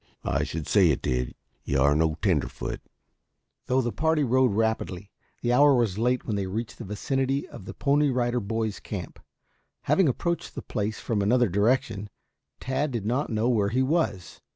"I should say it did. You are no tenderfoot." Though the party rode rapidly, the hour was late when they reached the vicinity of the Pony Rider Boys camp. Having approached the place from another direction, Tad did not know where he was.